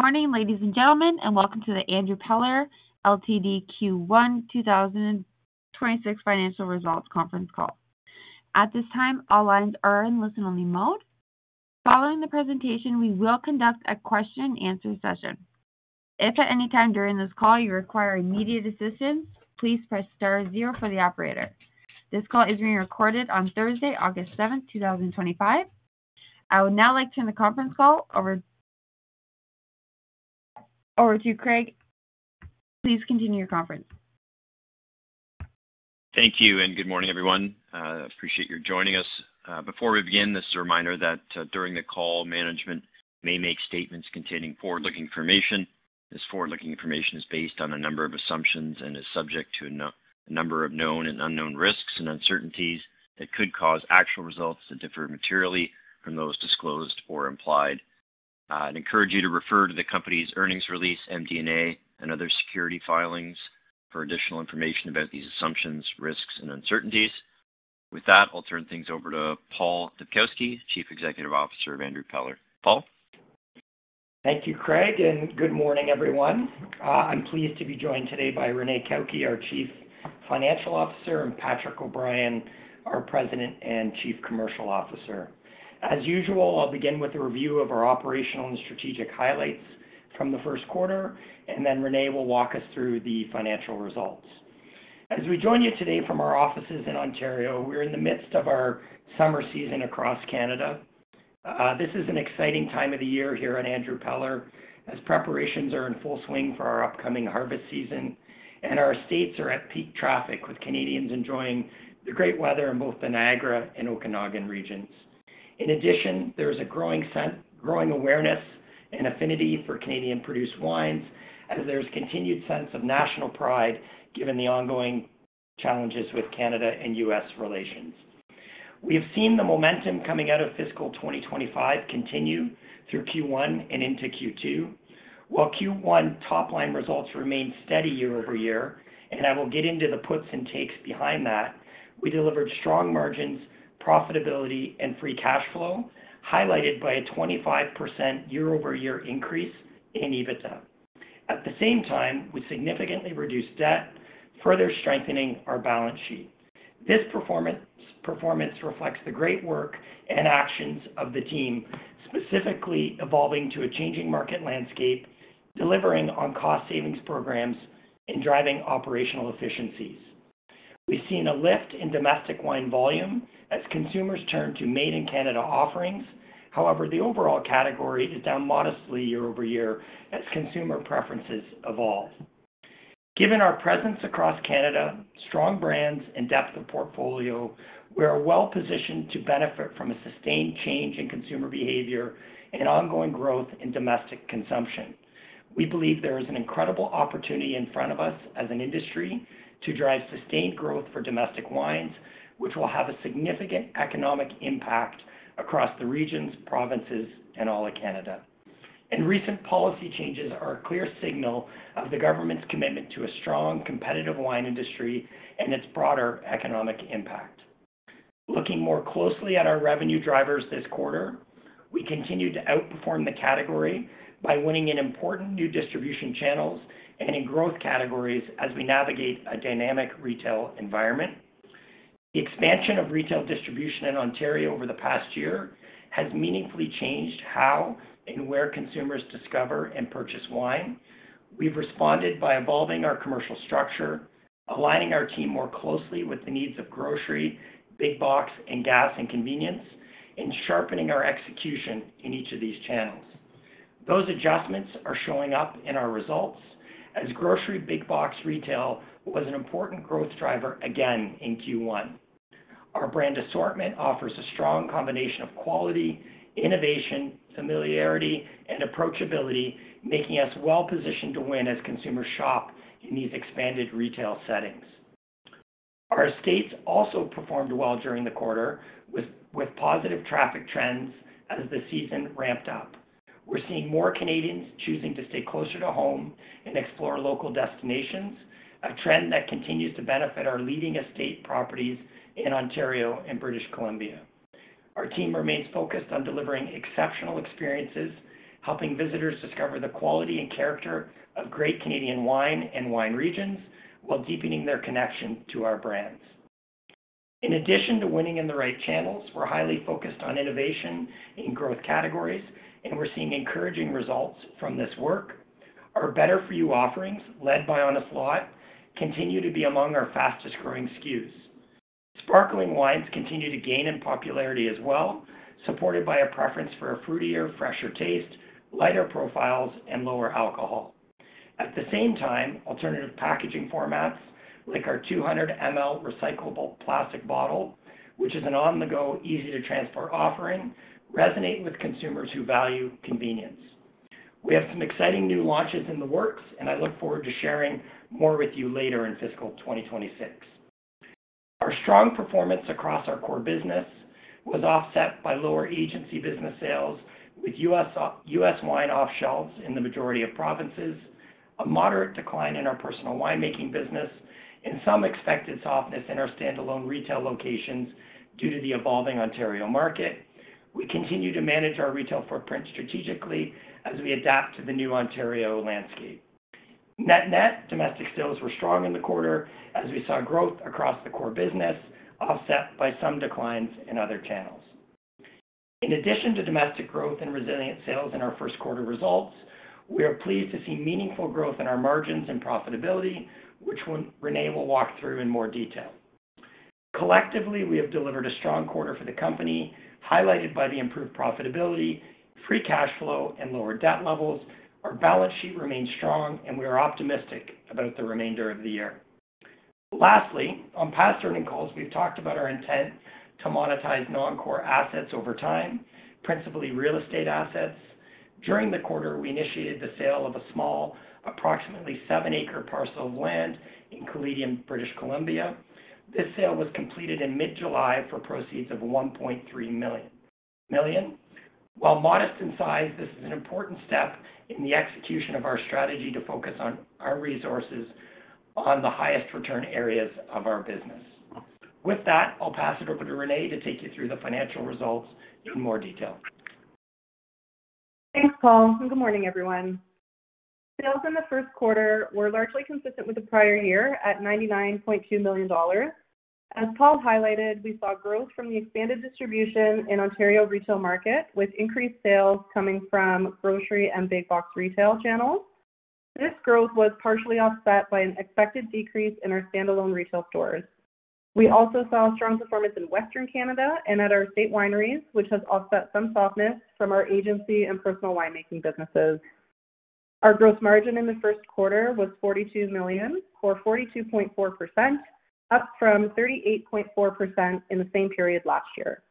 Good morning, ladies and gentlemen, and welcome to the Andrew Peller Ltd. Q1 2026 Financial Results Conference Call. At this time, all lines are in listen-only mode. Following the presentation, we will conduct a question-and-answer session. If at any time during this call you require immediate assistance, please press star zero for the operator. This call is being recorded on Thursday, August 7th, 2025. I would now like to turn the conference call over to Craig. Please continue your conference. Thank you, and good morning, everyone. I appreciate your joining us. Before we begin, this is a reminder that during the call, management may make statements containing forward-looking information. This forward-looking information is based on a number of assumptions and is subject to a number of known and unknown risks and uncertainties that could cause actual results to differ materially from those disclosed or implied. I encourage you to refer to the company's earnings release, MD&A, and other security filings for additional information about these assumptions, risks, and uncertainties. With that, I'll turn things over to Paul Dubkowski, Chief Executive Officer of Andrew Peller. Paul? Thank you, Craig, and good morning, everyone. I'm pleased to be joined today by Renee Cauchi, our Chief Financial Officer, and Patrick O'Brien, our President and Chief Commercial Officer. As usual, I'll begin with a review of our operational and strategic highlights from the first quarter, and then Renee will walk us through the financial results. As we join you today from our offices in Ontario, we're in the midst of our summer season across Canada. This is an exciting time of the year here at Andrew Peller, as preparations are in full swing for our upcoming harvest season, and our estates are at peak traffic, with Canadians enjoying the great weather in both the Niagara and Okanagan regions. In addition, there is a growing sense of growing awareness and affinity for Canadian-produced wines, as there is a continued sense of national pride given the ongoing challenges with Canada and U.S. relations. We have seen the momentum coming out of fiscal 2025 continue through Q1 and into Q2. While Q1 top-line results remain steady year-over-year and I will get into the puts and takes behind that, we delivered strong margins, profitability, and free cash flow, highlighted by a 25% year-over-year increase in EBITDA. At the same time, we significantly reduced debt, further strengthening our balance sheet. This performance reflects the great work and actions of the team, specifically evolving to a changing market landscape, delivering on cost-savings programs, and driving operational efficiencies. We've seen a lift in domestic wine volume as consumers turn to made-in-Canada offerings. However, the overall category is down modestly year over year as consumer preferences evolve. Given our presence across Canada, strong brands, and depth of portfolio, we are well positioned to benefit from a sustained change in consumer behavior and ongoing growth in domestic consumption. We believe there is an incredible opportunity in front of us as an industry to drive sustained growth for domestic wines, which will have a significant economic impact across the regions, provinces, and all of Canada. Recent policy changes are a clear signal of the government's commitment to a strong competitive wine industry and its broader economic impact. Looking more closely at our revenue drivers this quarter, we continue to outperform the category by winning in important new distribution channels and in growth categories as we navigate a dynamic retail environment. The expansion of retail distribution in Ontario over the past year has meaningfully changed how and where consumers discover and purchase wine. We've responded by evolving our commercial structure, aligning our team more closely with the needs of grocery, big box, and gas and convenience, and sharpening our execution in each of these channels. Those adjustments are showing up in our results, as grocery big box retail was an important growth driver again in Q1. Our brand assortment offers a strong combination of quality, innovation, familiarity, and approachability, making us well positioned to win as consumers shop in these expanded retail settings. Our estates also performed well during the quarter, with positive traffic trends as the season ramped up. We're seeing more Canadians choosing to stay closer to home and explore local destinations, a trend that continues to benefit our leading estate properties in Ontario and British Columbia. Our team remains focused on delivering exceptional experiences, helping visitors discover the quality and character of great Canadian wine and wine regions, while deepening their connection to our brands. In addition to winning in the right channels, we're highly focused on innovation in growth categories, and we're seeing encouraging results from this work. Our better-for-you offerings, led by Honest Law, continue to be among our fastest growing SKUs. Sparkling wines continue to gain in popularity as well, supported by a preference for a fruitier, fresher taste, lighter profiles, and lower alcohol. At the same time, alternative packaging formats, like our 200 ml recyclable plastic bottle, which is an on-the-go, easy-to-transport offering, resonate with consumers who value convenience. We have some exciting new launches in the works, and I look forward to sharing more with you later in fiscal 2026. Our strong performance across our core business was offset by lower agency business sales, with U.S. wine off-shelves in the majority of provinces, a moderate decline in our personal winemaking business, and some expected softness in our standalone retail locations due to the evolving Ontario market. We continue to manage our retail footprint strategically as we adapt to the new Ontario landscape. Net-net, domestic sales were strong in the quarter, as we saw growth across the core business, offset by some declines in other channels. In addition to domestic growth and resilient sales in our first quarter results, we are pleased to see meaningful growth in our margins and profitability, which Renee Cauchi will walk through in more detail. Collectively, we have delivered a strong quarter for the company, highlighted by the improved profitability, free cash flow, and lower debt levels. Our balance sheet remains strong, and we are optimistic about the remainder of the year. Lastly, on past earnings calls, we've talked about our intent to monetize non-core assets over time, principally real estate assets. During the quarter, we initiated the sale of a small, approximately seven-acre parcel of land in British Columbia. This sale was completed in mid-July for proceeds of $1.3 million. While modest in size, this is an important step in the execution of our strategy to focus our resources on the highest return areas of our business. With that, I'll pass it over to Renee Cauchi to take you through the financial results in more detail. Thanks, Paul. Good morning, everyone. Sales in the first quarter were largely consistent with the prior year at $99.2 million. As Paul highlighted, we saw growth from the expanded distribution in the Ontario retail market, with increased sales coming from grocery and big box channels. This growth was partially offset by an expected decrease in our standalone retail stores. We also saw a strong performance in Western Canada and at our estate wineries, which has offset some softness from our agency and personal winemaking businesses. Our gross margin in the first quarter was $42 million, or 42.4%, up from 38.4% in the same period last year.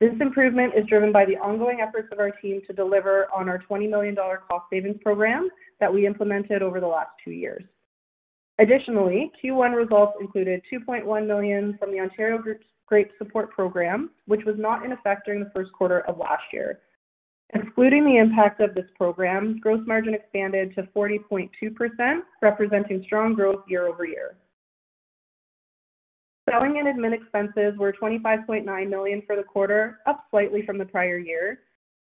This improvement is driven by the ongoing efforts of our team to deliver on our $20 million cost-savings program that we implemented over the last two years. Additionally, Q1 results included $2.1 million from the Ontario Grape Support Program, which was not in effect during the first quarter of last year. Excluding the impact of this program, gross margin expanded to 40.2%, representing strong growth year-over-year. Selling and admin expenses were $25.9 million for the quarter, up slightly from the prior year.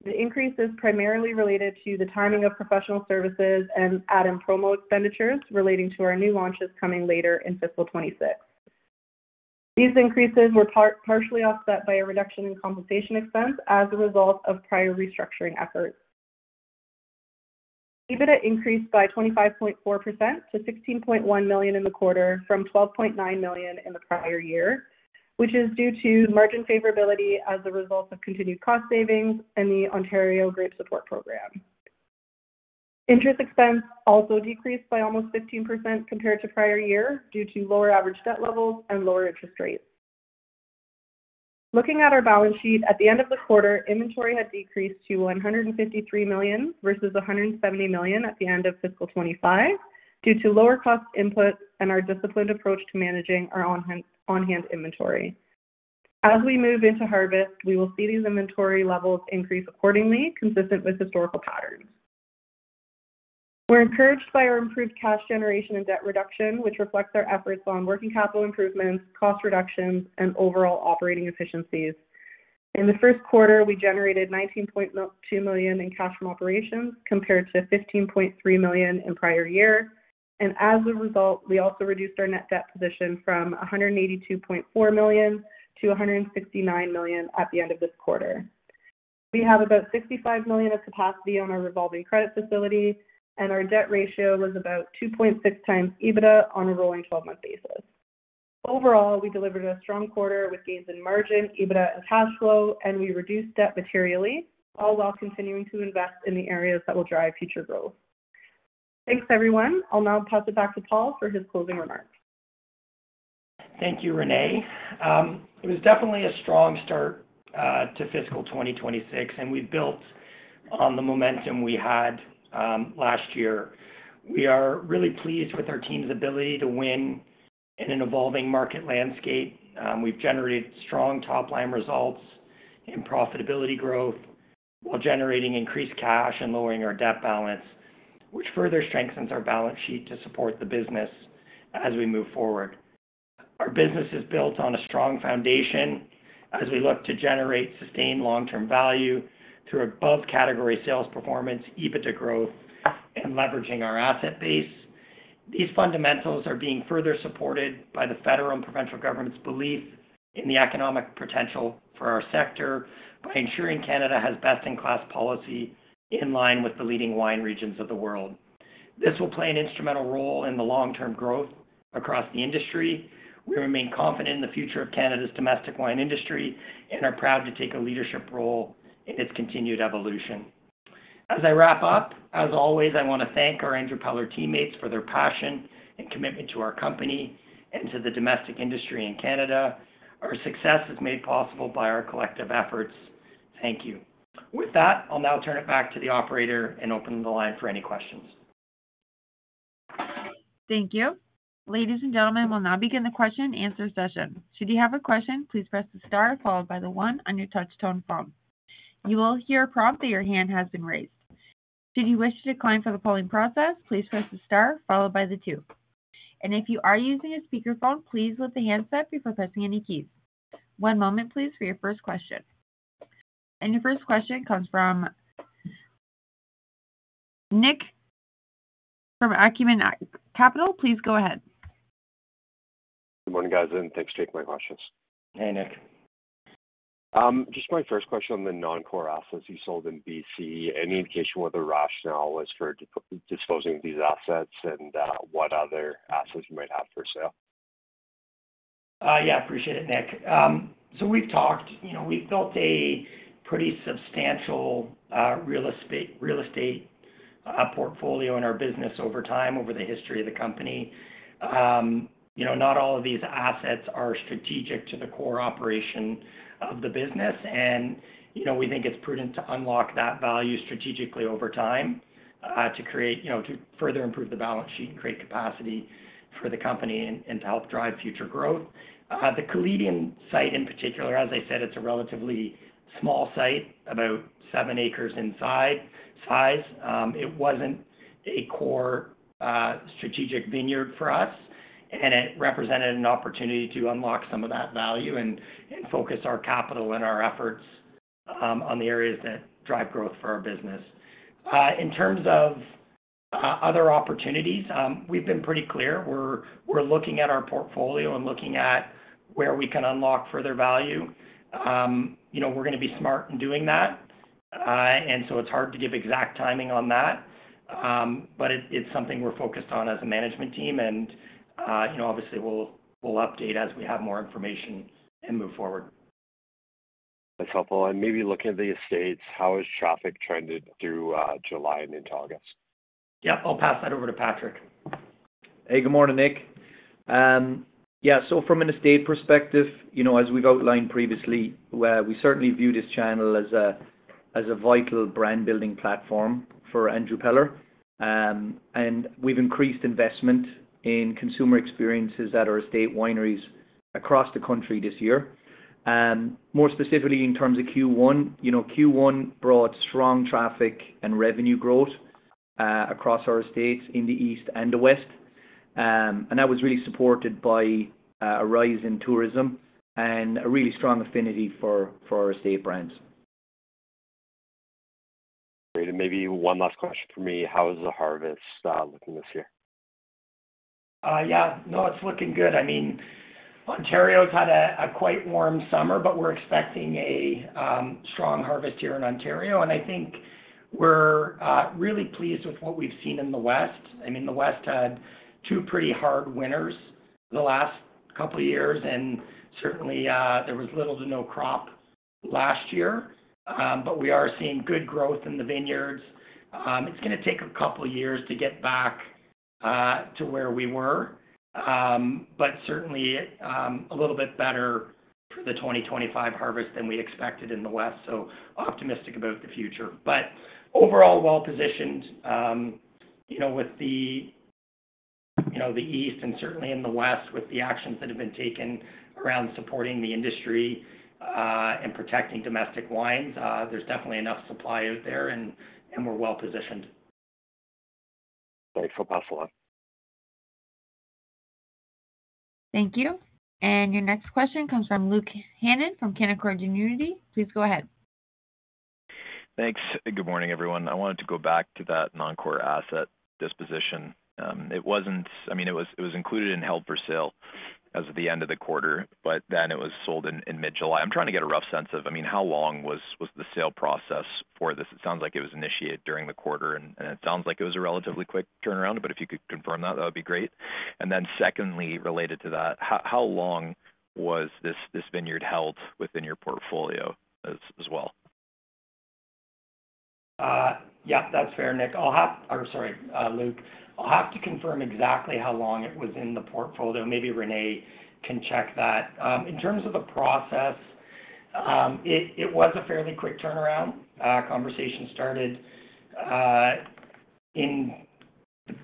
The increase is primarily related to the timing of professional services and ad and promo expenditures relating to our new launches coming later in fiscal 2026. These increases were partially offset by a reduction in compensation expense as a result of prior restructuring efforts. EBITDA increased by 25.4% to $16.1 million in the quarter from $12.9 million in the prior year, which is due to margin favorability as a result of continued cost savings and the Ontario Grape Support Program. Interest expense also decreased by almost 15% compared to the prior year due to lower average debt levels and lower interest rates. Looking at our balance sheet, at the end of the quarter, inventory had decreased to $153 million versus $170 million at the end of fiscal 2025 due to lower cost inputs and our disciplined approach to managing our on-hand inventory. As we move into harvest, we will see these inventory levels increase accordingly, consistent with historical patterns. We are encouraged by our improved cash generation and debt reduction, which reflects our efforts on working capital improvements, cost reductions, and overall operating efficiencies. In the first quarter, we generated $19.2 million in cash from operations compared to $15.3 million in the prior year. As a result, we also reduced our net debt position from $182.4 million-$169 million at the end of this quarter. We have about $65 million of capacity on our revolving credit facility, and our debt ratio was about 2.6 times EBITDA on a rolling 12-month basis. Overall, we delivered a strong quarter with gains in margin, EBITDA, and cash flow, and we reduced debt materially, all while continuing to invest in the areas that will drive future growth. Thanks, everyone. I'll now pass it back to Paul for his closing remarks. Thank you, Renee. It was definitely a strong start to fiscal 2026, and we built on the momentum we had last year. We are really pleased with our team's ability to win in an evolving market landscape. We've generated strong top-line results in profitability growth while generating increased cash and lowering our debt balance, which further strengthens our balance sheet to support the business as we move forward. Our business is built on a strong foundation as we look to generate sustained long-term value through above-category sales performance, EBITDA growth, and leveraging our asset base. These fundamentals are being further supported by the federal and provincial government's belief in the economic potential for our sector, by ensuring Canada has best-in-class policy in line with the leading wine regions of the world. This will play an instrumental role in the long-term growth across the industry. We remain confident in the future of Canada's domestic wine industry and are proud to take a leadership role in its continued evolution. As I wrap up, as always, I want to thank our Andrew Peller teammates for their passion and commitment to our company and to the domestic industry in Canada. Our success is made possible by our collective efforts. Thank you. With that, I'll now turn it back to the operator and open the line for any questions. Thank you. Ladies and gentlemen, we'll now begin the question-and-answer session. Should you have a question, please press the star followed by the one on your touch-tone phone. You will hear a prompt that your hand has been raised. Should you wish to decline for the polling process, please press the star followed by the two. If you are using a speaker phone, please let the hands up before pressing any keys. One moment, please, for your first question. Your first question comes from Nick Corcoran from Acumen Capital. Please go ahead. Good morning, guys, and thanks for taking my questions. Hey, Nick. Just my first question on the non-core assets you sold in British Columbia. Any indication what the rationale was for disposing of these assets and what other assets you might have for sale? Yeah, I appreciate it, Nick. We've built a pretty substantial real estate portfolio in our business over time, over the history of the company. Not all of these assets are strategic to the core operation of the business. We think it's prudent to unlock that value strategically over time to further improve the balance sheet and create capacity for the company and to help drive future growth. The Canadian site in particular, as I said, it's a relatively small site, about seven acres in size. It wasn't a core strategic vineyard for us, and it represented an opportunity to unlock some of that value and focus our capital and our efforts on the areas that drive growth for our business. In terms of other opportunities, we've been pretty clear. We're looking at our portfolio and looking at where we can unlock further value. We're going to be smart in doing that. It's hard to give exact timing on that. It's something we're focused on as a management team. Obviously, we'll update as we have more information and move forward. That's helpful. Maybe looking at the estates, how is traffic trending through July and into August? Yeah, I'll pass that over to Patrick. Hey, good morning, Nick. Yeah, from an estate perspective, as we've outlined previously, we certainly view this channel as a vital brand-building platform for Andrew Peller. We've increased investment in consumer experiences at our estate wineries across the country this year. More specifically, in terms of Q1, Q1 brought strong traffic and revenue growth across our estates in the east and the west. That was really supported by a rise in tourism and a really strong affinity for our estate brands. Great. Maybe one last question for me. How is the harvest looking this year? Yeah, no, it's looking good. Ontario's had a quite warm summer, but we're expecting a strong harvest year in Ontario. I think we're really pleased with what we've seen in the west. The west had two pretty hard winters the last couple of years, and certainly there was little to no crop last year. We are seeing good growth in the vineyards. It's going to take a couple of years to get back to where we were, but certainly a little bit better for the 2025 harvest than we expected in the west, so optimistic about the future. Overall, well-positioned. With the east and certainly in the west, with the actions that have been taken around supporting the industry and protecting domestic wines, there's definitely enough supply out there, and we're well positioned. Thanks for passing that. Thank you. Your next question comes from Luke Hannan from Canaccord Genuity. Please go ahead. Thanks. Good morning, everyone. I wanted to go back to that non-core asset disposition. It wasn't, I mean, it was included in held for sale as of the end of the quarter, but then it was sold in mid-July. I'm trying to get a rough sense of how long was the sale process for this? It sounds like it was initiated during the quarter, and it sounds like it was a relatively quick turnaround. If you could confirm that, that would be great. Secondly, related to that, how long was this vineyard held within your portfolio as well? That's fair, Luke. I'll have to confirm exactly how long it was in the portfolio. Maybe Renee Cauchi can check that. In terms of the process, it was a fairly quick turnaround. Conversation started in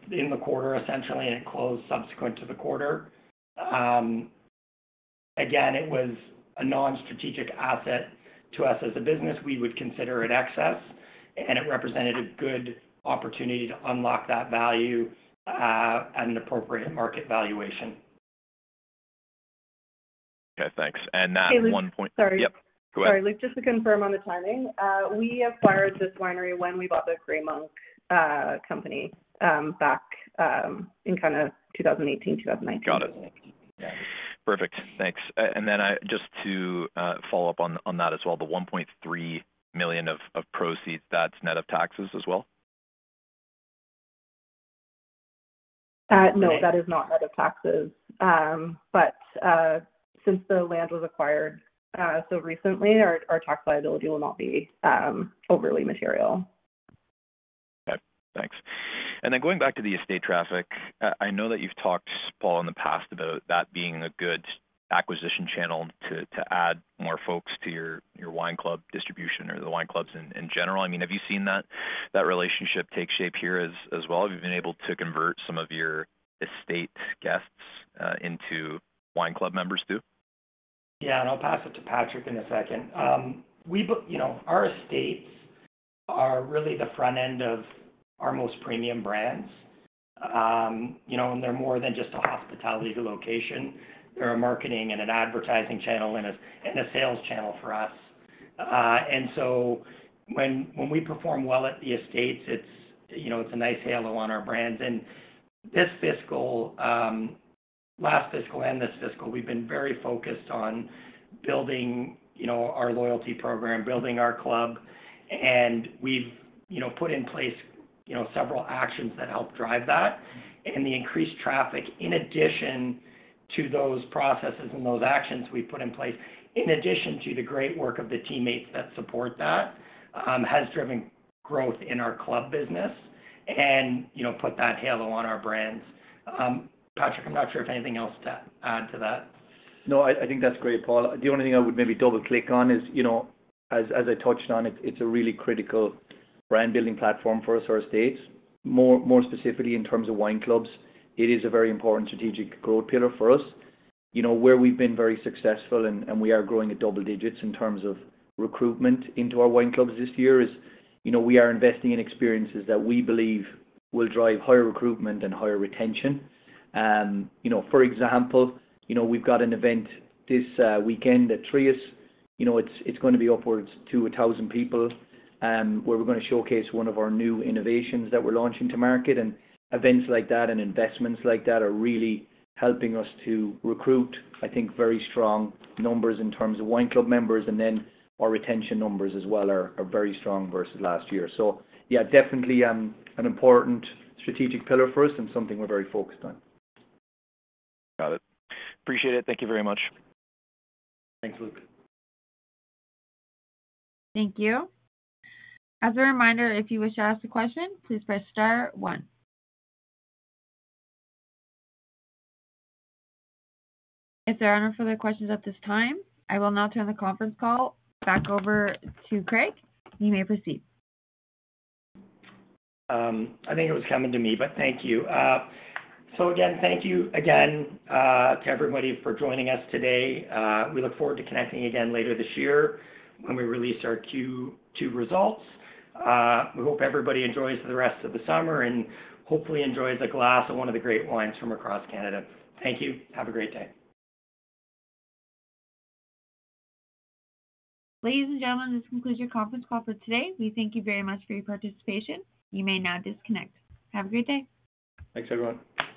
the quarter, essentially, and it closed subsequent to the quarter. It was a non-strategic asset to us as a business. We would consider it excess, and it represented a good opportunity to unlock that value at an appropriate market valuation. Okay, thanks. At that one point. Sorry. Go ahead. Sorry, Luke, just to confirm on the timing, we acquired this winery when we bought the Gray Monk Estate Winery back in 2018, 2019. Got it. Yeah, perfect. Thanks. Just to follow up on that as well, the $1.3 million of proceeds, that's net of taxes as well? No, that is not net of taxes. Since the land was acquired so recently, our tax liability will not be overly material. Okay, thanks. Going back to the estate traffic, I know that you've talked, Paul, in the past about that being a good acquisition channel to add more folks to your wine club distribution or the wine clubs in general. Have you seen that relationship take shape here as well? Have you been able to convert some of your estate guests into wine club members too? Yeah, I'll pass it to Patrick in a second. Our estates are really the front end of our most premium brands. They're more than just a hospitality location. They're a marketing and an advertising channel and a sales channel for us. When we perform well at the estates, it's a nice halo on our brands. This fiscal, last fiscal and this fiscal, we've been very focused on building our loyalty program, building our club. We've put in place several actions that help drive that. The increased traffic, in addition to those processes and those actions we've put in place, in addition to the great work of the teammates that support that, has driven growth in our club business and put that halo on our brands. Patrick, I'm not sure if anything else to add to that. No, I think that's great, Paul. The only thing I would maybe double-click on is, as I touched on, it's a really critical brand-building platform for us, our estates. More specifically, in terms of wine clubs, it is a very important strategic growth pillar for us. Where we've been very successful and we are growing at double digits in terms of recruitment into our wine clubs this year is, we are investing in experiences that we believe will drive higher recruitment and higher retention. For example, we've got an event this weekend at Trius. It's going to be upwards to 1,000 people where we're going to showcase one of our new innovations that we're launching to market. Events like that and investments like that are really helping us to recruit, I think, very strong numbers in terms of wine club members. Our retention numbers as well are very strong versus last year. Yeah, definitely an important strategic pillar for us and something we're very focused on. Got it. Appreciate it. Thank you very much. Thanks, Luke. Thank you. As a reminder, if you wish to ask a question, please press star one. If there are no further questions at this time, I will now turn the conference call back over to Craig. You may proceed. Thank you again to everybody for joining us today. We look forward to connecting again later this year when we release our Q2 results. We hope everybody enjoys the rest of the summer and hopefully enjoys a glass of one of the great wines from across Canada. Thank you. Have a great day. Ladies and gentlemen, this concludes your conference call for today. We thank you very much for your participation. You may now disconnect. Have a great day. Thanks, everyone.